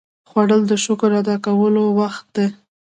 خوړل د شکر ادا کولو وخت دی